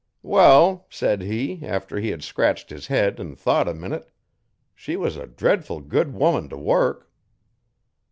'"Wall," said he, after he had scratched his head an' thought a minute, "she was a dretful good woman t' work."